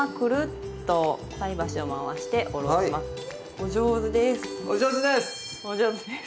お上手です。